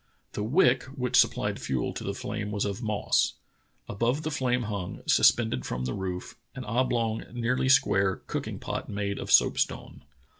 The wick which supplied fuel to the flame was of moss. Above the flame hung, suspended from the roof, an oblong, nearly square, cooking pot made of soapstone.